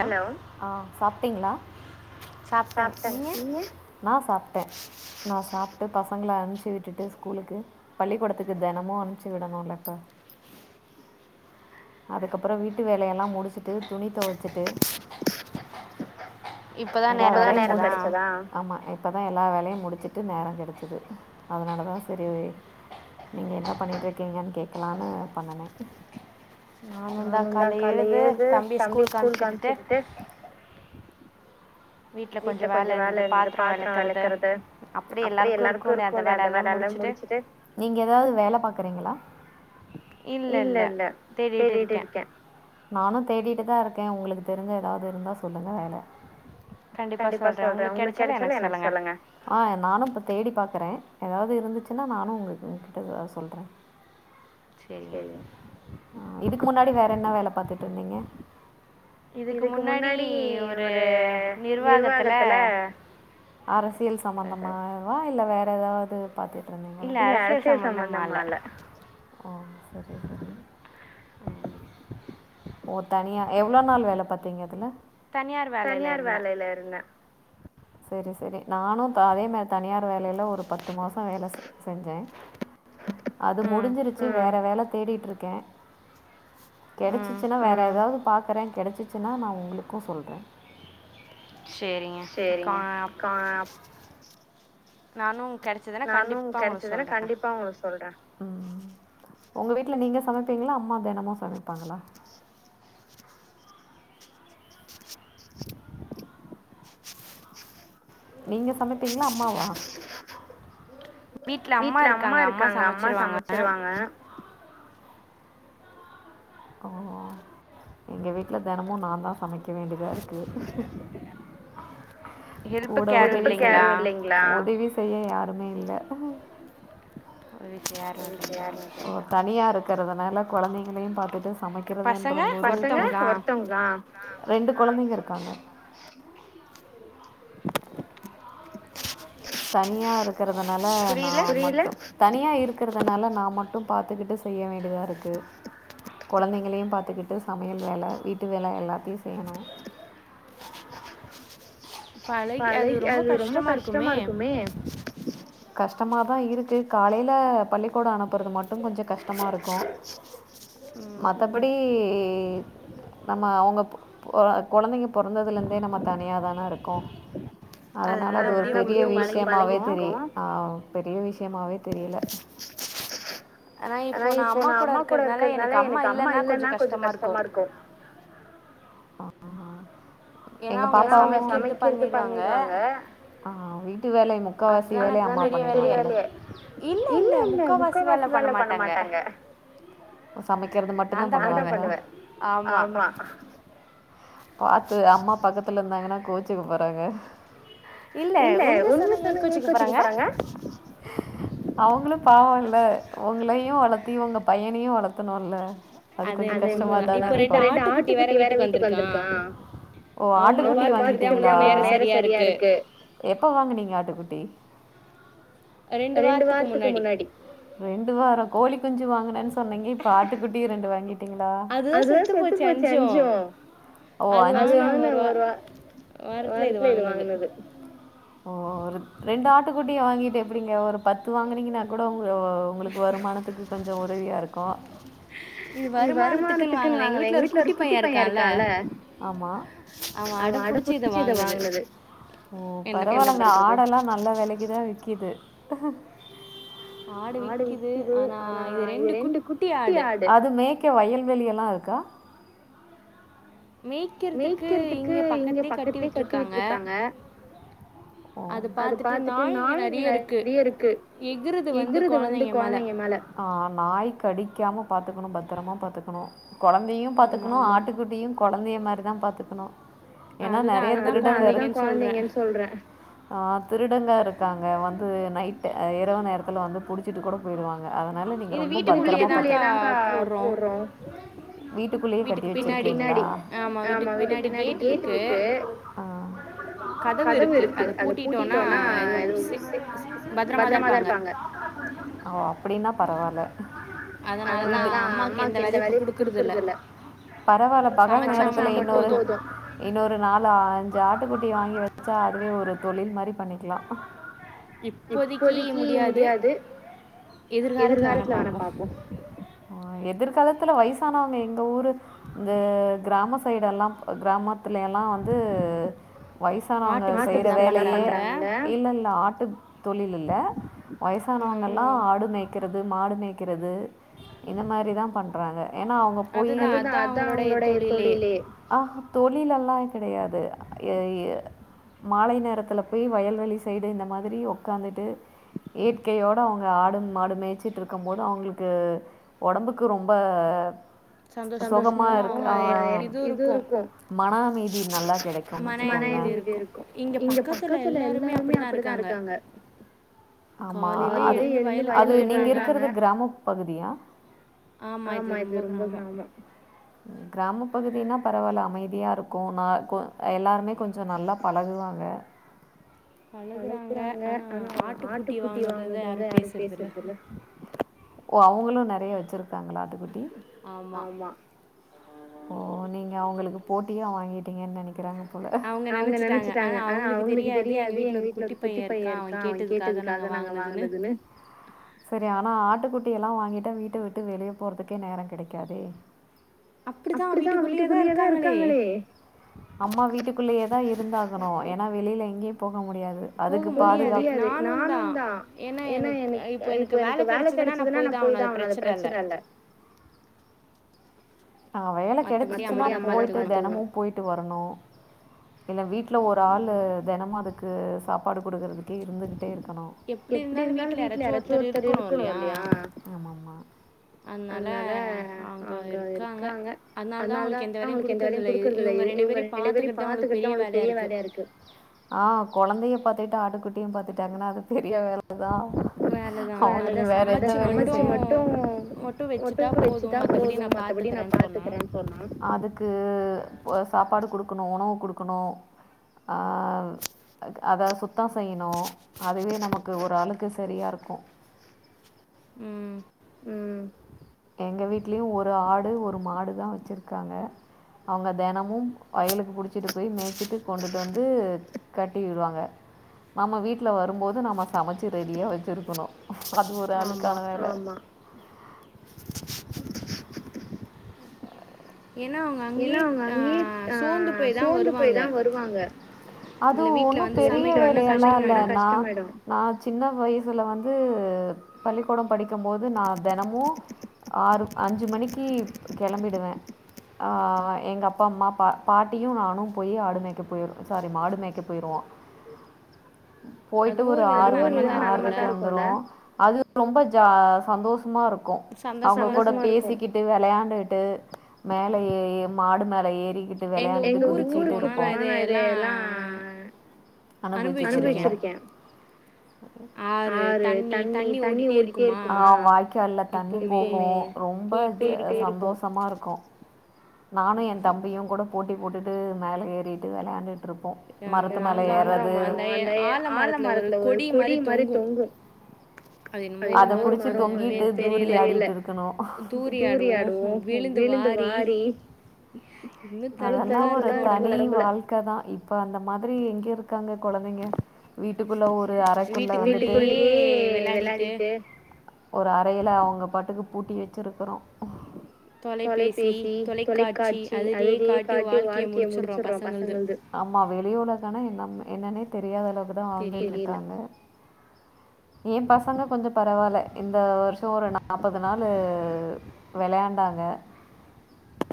Hello ஆ சாப்ட்டீங்களா சாப்ட்டேங் நீங்க நா சாப்ட்ட நா சாப்பிட்டத் பசங்கள அணுப்ச்சு விட்டுட்டு ஸ்கூலுக்கு பள்ளிக்கூடத்துக்கு தெனமு அணுப்ச்சு விடணும்லப்பா அதுக்கப்புற வீட்டு வேலையெல்லாம் முடிச்சுட்டு துணி தொவச்சிட்டு எல்லா வேல முடிஞ்சு ஆமா இப்பதா ஆ எல்லா வேலையும் முடிச்சுட்டு நேரங் கெடச்சிது அதனால தா சரி நீங்க என்ன பண்ணிட்டுருக்கீங்கன் கேக்கலான்னு பண்ணனே நானுந்தா கால்ல எழுந்து தம்பிய ஸ்கூலுக்கு அனுப்ச்சு விட்டுட்டு வீட்ல கொஞ்ச வேல இருந்தது பாத்திரம் வெளக்கறது அப்படியே எல்லாருக்கும் இருக்கு இல்லையா அந்த வேலை எல்லாம் முடிச்சுட்டு கறீங்களா இல்ல இல்ல தேடிட்டு இருக்கே நானு தேடிட்டு தா இருக்கே உங்களுக்கு தெரிஞ்ச ஏதாவது இருந்தா சொல்லுங்க வேல கண்டிப்பா சொல்றே உங்களுக்கு கெடச்சாலு எனக்கு சொல்லுங்க ஆ நானும் இப்ப தேடிப் பாத் பாக்கறே ஏதாவது இருந்துச்சுன்னா நானும் உங்க உங்கிட்ட சொல்றே சேகரிங்க அ இதுக்கு முன்னாடி வேற என்ன வேல பாத்து ட்டுந்தீங்க இதுக்கு முன்னாடி ஒரு நீ நிர்வாகத்துல அரஸ் ரசியல் சம்பந்தமாகவா இல்ல வேற எதாவுது பாத்து ட்ருந்திங்கிளா இல்ல அரசியல் சம்பந்தமால்ல ஓ சேரி சேரி ஓ தனியா எவ்ளோ நாள் வேல பாத்தீங்க அதுல தனியார் வேலயில இருந்தே ந்தே சேரி சேரி நானு தா அதே மாரி தனியார் வேலயில ஒரு பத்து மாசோ வேல செ செஞ்சே அது முடிஞ்சிருச்சு வேற வேலத் தேடிட்ருக்கே கெடச்சிச்சுன்னா வேற ஏதாவது பாக் க்குரே கெடச்சிச்சுன்னா நா உங்களுக்கு சொல்றே சேரிங்க காப் நானு நானு கெடச்சதுன்னா கண்டிப்பா உங்களுக்கு சொல்றே உம் உங்க வீட்டுல நீங்க சமைப்பீங்களா அம்மா தெனமு சமைப்பாங்களா நீங்க சமப்பீங்ளா அம்மாவா வீட்டு்ல அம்மா இருக்காங்க அம்மா சமச்சுருவாங்க ஓ எங்க வீட்டுல தினமு நாந்தா சமைக்க வேண்டியதா இருக்கு ஹெல்புக்கு யாரு இல்லைங்ளா செய்ய யாருமே இல்ல இப்ப வீட்டுல யாரு இல்லைங்களா ஒ தனியா இருக்குறது நால்ல கொழந்தங்களையு பாத்துட்டு சமைக்கிறதுன்ற போது பசங்க ஒருத்தவுங்களா ரெண்டு கொழந்தங்க இருக்காங்க தனியா இருக்குறத் அதனால நா புரியலா மத்தோ தனியா இருக்குறதுனால நா மட்டு பாத்துக்கிட்டு செய்ய வேண்டியதா இருக்கு கொழந்திங்களையு பாத்துக்கிட்டு சமையல் வேல வீட்டு வேல எல்லாத்தையு செய்யணு பழகி அது ரொம்ப கஷ்டமா இருக்குமே கஷ்டமாதா இருக்கு காலையில பள்ளிக்கூடோ அனுப்புறது மட்டு கொஞ்சு கஷ்டமா இருக்கு மத்தபடி நம்ம அவுங்கப் பொ கொழந்தங்க பொறந்ததுலருந்தே நம்ம தனியா தான இருக்கோ அதுனால அது ஒரு பெரிய விஷயமாவே தெரியு பெரிய விஷயமாவே தெரியில ஆனா இப்போ நா அம்மா கூட இருக்கிறதுனால எனக்கு அம்மா இல்லன்னா கொஞ்ச கஷ்டமா இருக்கு [unintelligible] எங்க பாப்பாங்க வீட்டு வேலய முக்காவாசி வேலய அம்மா பண்ணிடுவாங்க அப்ப சமைக்கறது மட்டுந் தா பண்ணுவாங்களா பாத்து அம்மா பக்கத்துல இருந்தாங்கன்னா கோச்சுக்க போறாங்க இல்ல உண்ம சொன்ன ஏ கோச்சுக்க போறாங்க அவங்களு பாவல்ல உங்களையு வளத்தி உங்க பையனையு வளத்தணுல்ல அது கொஞ்ச கஷ்டமா தான இருக்கு ஓ ஆட்டுக்குட்டி வாங்கிட்டீங்ளா எப்ப வாங்குனீங்க ஆட்டுகுட்டி ரெண்டு வாரத்துக்கு முன்னாடி ரெண்டு வார கோழி குஞ்சு வாங்குனேன்னு சொன்னீங்க இப்ப ஆட்டுக்குட்டியு ரெண்டு வாங்கிரு டிங்களா ஓ அஞ்சு ஓ ரெண்டு ஆட் குட்டிய வாங்கிட்டு எப்படிங்க ஒரு பத்து வாங்குனீங்கன்னா கூட உங்களுக்கு வருமானத்துக்கு கொஞ்ச ச உதவியா இருக்கு ஆமா ஓ பரவாலங்க ஆடெல்லா நல்ல வெலைக்கு தா விக்கு கிது அது மேக்க வயல்வெளி எல் லா இருக்கா மேக் ஓ ஆ நாய் கடிக்காம பாத் துக்கணு பத்தரமா பாத்துக்கணு கொழந்தையு பாத்துக்கணு ஆட்டுக்குட்டியு கொழந்தைய மாரிதா பாத்துக்கணு ஏன்னா நெறைய திருடங்க இரு ஆஹ் திருடங்கா இருக்காங்க வந்து நைட் இரவு நேரத்துல வந்து புடிச்சிட்டு கோட போயிடுவாங்க அதனால நீங்க ரொம்ப பத்தரமா பாத்துக்கணு வீட்டுக்குள்ளயே கட்டி வச்சிருக்கிங்ளா வீட்டுக்கு பின்னாடி கேட் இருக்கு கதவு இருக்கு அத புட்டிட்டோம்னா ஏதோ சி பத்தரமாதான் இருப்பாங்க பரவால்ல அதனாலதான் அம்மாக்கு எந்த வேலையும் குடுக்கறது இல்ல பரவலா பரவலா இன்னொரு இன்னொரு நாலு ஆட்டுக்குட்டி வாங்கி வச்சா அதுவே ஒரு தொழில் மாரி பண்ணிக்கலாம் இப்போதைக்கு முடியாது எதிர்காலத்துல வேணா பாப்போம் ஆன் எதிர்காலத்து த்துல வயசானவங்க எங்க ஊரு இந்த கிராம சைட் எல்லாம் கிராமப் தில்லை எல்லாம் வந்து வயசானவங்க செய்யற வேலையே இல்ல இல்ல ஆட்டு தொழில் இல்ல வயசானவங்க எல்லாம் ஆடு மேய்க்கிறது மாடு மேய்க க்கிறது இந்த மாரி தான் பண்ணும் ப்பறங்க ஏன்னா அவங்க போய் அதுதான் அதான் அவங்களோடைய தொழிலே தொழில் எல்லா கெடையாது ஏய் மாலை நேரத்துல போய் வயல்வெளி சைடு இந்த மாதிரி உக்காந்துட்டு இயற்கையோட அவங்க ஆடும் மாடு மேய்ச்சுட்டு இருக்கும் போது அவங்களுக்கு உடம்புக்கு ரொம்ப சந்தோஷமா இருக்கும் அவங்க இது ஒரு இது இருக்கோம் மன அமைதி நல்லா கெடைக்கோம் என வச்சிக்கோங்களேன் மன அமைதி இருக்கோம் இங்க பக்கத்துல எல்லாருமே ஒரு அப்படித்தான் இருக்காங்க ஆமா காலையிலே எழுந்து வயலுக்கு போயிறாங்க நீங்க இருக்கிறது கிராம பகுதியா ஆ ஆமா இது ரொம்ப கிராமம் கிராமபகுதி அப்படின்னா பரவாயில்ல அமைதியாக இருக்கும் ந கொ எல்லாருமே கொஞ்சம் நல்லா பழகுவாங்க பழகுறாங்க ஆனா ஆட்டுக்குட்டி வாங்கன தனதிருந்து யாரும் பேசுறதுதில்ல ஓ அவங்களும் ந றைய வச்சுருக் இருக்காங்களா ஆட்டுக்குட்டி ஆமா நீங்க அவங்களுக்கு போட்டியாக வாங்கிட்டீங்கன்னு நெனைக்கிறாங்க போல அவங்க நினைச்சிட்டாங்க ஹன் அவங்களுக்கு தெரியாது எங்க வீட்டுல ஒரு குட்டி பையன் இருக்கான் அவன் கேட்டதுக்காக நாங்க வாங்கனதுன்னு செரி ஆனா ஆட்டுகுட் ட்டி எல்லா வாங்கிட்டா வீட்ட விட்டு வெளியே போறதுக்கே நேரம் கெடைக்காதே அப்படிதான் வீட்டுக்குள்ளேயே தான் இருக்காங்களே அம்மா வீட்டுக்குள்ளேயே தான் இருந்தாகணும் ஏன்னா வெளியில எங்கேயும் போக முடியாது அதுக்கு பாதுகாப்பு போகமுடியாது நானும் தான் ஏன்னா எனக்கு இப்ப எனக்கு வேல கெடைச்சதுன்னா நான் போய் தான் ஆவணும் அது பிரச்சன இல்ல ஆஹ் வேல கிடைச்சச்சுன்ன போயிட்டு தினமும் போயிட்டு வரணும் இல்ல வீட்டுல ஒரு ஆளு தினமும் அதுக்கு து சாப்பாடு குடுக்குறதுக்கு கே இருந்துகிட்டே இருக்கனும் எப்படி இருந்தாலும் வீட்டுல யாராச்சும் ஒருத்தர் இருக்குனு இல்லையா ஆமா ஆமா அதனால அவங்க இரு இருக்காங்க அதனாலதா அவுங்களுக்கு எந்த வேலையு குடுக்கிறது இல்ல இவங்க ரெண்டு பேரையு பாத்துகிறதுதா அவனுக்கு பெரிய வேலயா இருக்கு ஆஹ் கொழந்தைய பாத்துட்டா ஆட்டுகுட் டியும் பாத்துட்டாங்கானா அது தி யா வேலதா அவுங்களுக்கு வேற எந்த வேலையு செய் சமச்சு மட்டு மட்டு வெச்சுட்டா போது மத்தபடி நா பாத்துக்கறேன் சொன்னா அதுக்கு ஒ சாப்பாடு குடுக்கணு உணவு குடுக்கணு அத சுத்தோ செய்யணு அதுவே நமக்கு ஒரு ஆளுக்கு சரியா இருக்கு உம் எங்க வீடலயும் ஒரு ஆடு ஒரு ஒரு மாடுதான் வச்சிருக்காங்க அவங்க தினமும் வயலுக்கு புடிச்சிட்டு போய் மேச்சட்டு கொண்டுட்டு வந்து கட்டி விடுவாங்க நம்ம வீட்டுல வரும்போது நம்ம சமைச்சு ரெடியா வச்சிருக்கணும் அது ஒரு ஆளுக்கான வேல ஏன்னா அவங்க அங்கயே அஹ் சோந்து போய் தான் வருவாங்க அது ஒன்னும்ம பெரிய வேலையெல்லா இல்ல ன வீட்ல வந்து சமைக்கணும்னா கஷ்டமாயிடும் நான் சின்ன வயசுல வந்து பள்ளிக்கூடம் படிக்கும் போது நான் தினமும் ஆறு அஞ்சு மணிக்கு கிளம்பிடுவேன் ஆஹ் எங்க அப்பா அம்மா பா பாட்டியும் நானும் போய் ஆடுமேக்க போயிரு சாரி மாடு மேக்க போயிருவோம் போயிட்டு ஒரு ஆறு மணி ஆறு இருந்தாலும் அது ரொம்ப ஜா சந்தோஷமா இருக் க்கும் அவங்க கூட பேசிக்கிட்டு விளையாண்டு ட்டு மே யில்லயே மாடு மேல ஏறி ட்டு விளையாண்டுட்டு குதிச்சிட்டு இருப்போம் அனுபவிச்சிருக்கிங்க ஆ வாய்க்கால்ல தண்ணி போகும் ரொம்ப சந்தோஷமா இருக்கும் நானும் என் தம்பியும் கூட போட்டி போட்டுட்டு மேலே ஏறிட்டு விளையாண்டுட் இருப்போம் மரத்துமேல ஏறுறது ஆழ மரத்துல ஒரு கொடி மாரி தொங்கும் அத புடுச்சு தொங்கிட்டு துரியாடிட்டு இருக்கனும் துரி ஆடுவோம் விழுந்து வா [inaudible] தனி வாழ்க்க தா இப்ப அந்த மாதிரி எங்க இருக்காங்க கொழந்தைங்க வீட்டுக்குள்ள ஒரு அறைக்குள்ள ஒரு அறையில அவங்க பாட்டுக்கு பூட்டி வெச்சிருக்கறோ தொலைபேசி ஆமா வெளி உலகன்னா நம்ம என்னன்னே தெரியாதளவ் க்கு தா [inaudible] ஏம்பசங்க கொஞ்சோ பரவால்ல இந்த வர் ஷோ ஒரு நாப்பது நாள் அ வெளையாண்டாங்க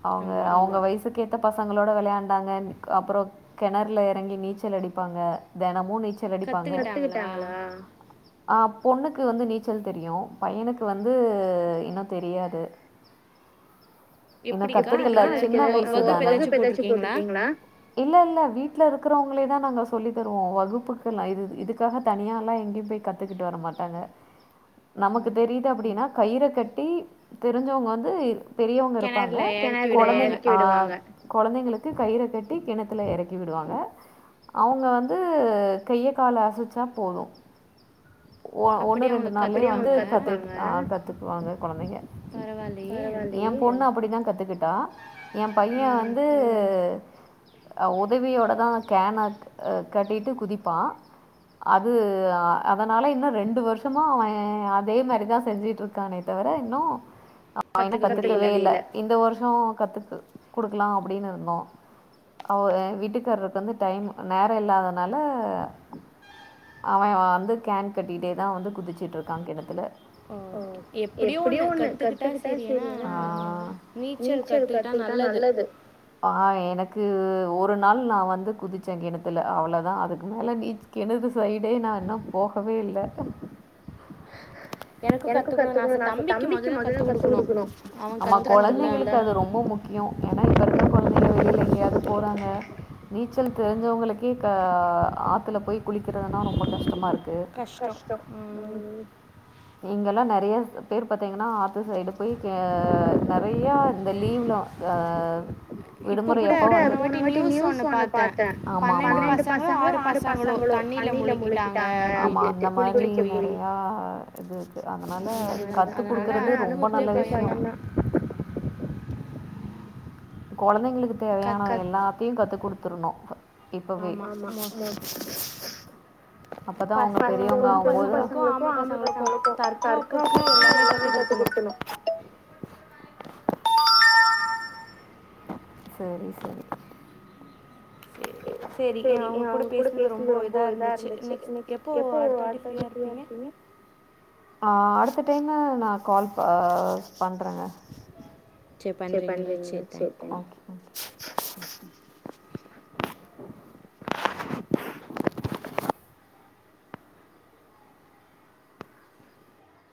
அவுங்க அவுங்க வயசுக்கே பசங்களோட வெளையாண்டாங்க அப்புறோ கிணறுல இறங்கி நீச்சல் அடிப்பாங்க தினமோ நீச் நீச்சல் அடிப்பாங்க கத்துக்கிட்டாங்களா ஆ பொண்ணுக்கு வந்து நீச்சல் தெரியோ பையனுக்கு வந்து இன்னோ தெரியாது இன்னு கத்துக்ல சின்ன வயசுதான, எப்டிகா வகுப்பு எத்தாச்சு போட்ருக்கீங்ளா? இல்ல இல்ல வீட் வீட்ல இருக்கிறவங்ளேதா நாங்க சொல்லி தருவோ, வகுப்புக்குலா இது இதுக்காக தனியாலா எங்கியும் போய் கத்துகிட்டு வரமாட்டாங்க. நமக்கு தெரியுது அப்டினா, கயிறு கட்டி தெரிஞ்சவுங்க வந்து பெரியவங்க வாங்க, கிணறுல எறக்கிவிடுவாங்க, கொழ அ கொழந்தைங்ளுக்கு கயிற கட்டி கிணத்துல எறக்கி விடுவாங்க அவுங்க வந்து கைய கால அசச்சா போதும் ஒ ஒண்ணு ரண்டு நாள்லயே, அப்டியே வந்து வந்து அ கத்து கத்துக்வாங்க கொழந்தைங்க, பரவால ஏ பொண்ண அப்டிதா கத்துக்கிட்டா, என் பைய வந்து ஹ் உதவியோடதா கேன அ கட்டிட்டு குதிப்பா, அது அதனால இன்னோ ரெண்டு வருஷமா அவ அதே மாரிதா செஞ்சிட்டு இருக்கானே தவிர இன்னோ அவ இன்னோ கத்துக்கவேல இந்த வருஷோ கத்துக்குடுக்லா அப்டின்னு இருந்தோ. அவ வீட்டுக்காருக்கு வந்து டைம் நேரோ இல்லாதனால அவ வந்து கேன் கட்டிட்டேதா வந்து குதிச்சிட்ருக்கா கிணத்துல ஓ எப்டியோ ஒண்ணு கத்துகிட்டா சரி ஆ நீச்சல் கத்துக்கிட்டா நல்லது எனக்கு ஒரு நாள் நா வந்து குதிச்ச கிணத்துல, அவ்ளதா அதுக்கு மேல நீ கிணறு சைடே நா இன்னோ போகவேல எனக்கு கத்துக்கணோ ஆச, தம்பிக்கு முதல கத்து குடுக்கணோ, அவ கத்து கொழந்தைங்ளுக்கு அது ரொம்ப முக்கியோ ஏனா இப்போ இருக்ற கொழந்தைங்க வெளில எங்கியாவது போறாங்க நீச்சல் தெரிஞ்சவங்ளுக்கே க ஆத்துல போய் குளிக்கறதுனா ரொம்ப கஷ்டமா இருக்கோ கு, கஷ்டோ ம் நீங்கலா நறையா பேரு பாத்தீங்னா ஆ அடுத்த சைடு போய் க நறயா இந்த லீவ்ல அ விடுமுறையப்ப, இப்ப கூட போன வாட்டி நியூஸ் ஒண்ணு பாத்த, ஆமா ஆமா பன்னண்டு பசங்க ஆறு பசங்களோ தண்ணீல முழுகிட்டாங்க அப்டிண்டு. ஆமா அந்த மாரி அ நறைய அது அதனால அதனால அனுப்பறதே பயம்தா கத்துக்குடுக்றது ரொம்ப நல்ல விஷ்யோ ம் கொழந்தைங்ளுக்கு தேவையான எல்லாத்தையு கத்து குடுத்றுணோ, இப்பவே ஆமா, அப்பதா அவுங்க பெரியவங்க ஆவும்போது, பொண்ணு பசங்ளுக்கோ ஆம்பள பசங்ளுக்கோ தற்காப்புக்கு எல்லாமே கத்துக்குடுக்கணோ ம் சரி சரி சரி அவுங்க கூட பேசனது ரொம்ப இதா இருந்துச்சு, நெக்ஸ்ட் எப்போ அடுத்தது ஃப்ரியா இருப்பீங்க? ஆஹ் அடுத்த டைமு நா கால் ப அஹ் பண்றங்க சரி பண்றீங்ளா சரி, ஓகே தேங்க்யூ